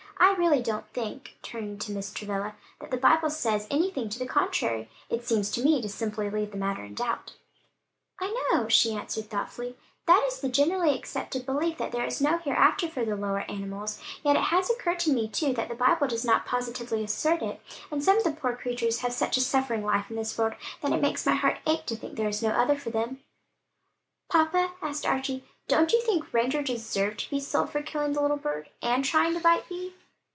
"I really don't think," turning to Mrs. Travilla, "that the Bible says anything to the contrary; it seems to me to simply leave the matter in doubt." "I know," she answered thoughtfully, "that it is the generally accepted belief that there is no hereafter for the lower animals; yet it has occurred to me, too, that the Bible does not positively assert it; and some of the poor creatures have such a suffering life in this world that it makes my heart ache to think there is no other for them" "Papa," asked Archie, "don't you think Ranger deserved to be sold for killing that bird and trying to bite Vi?"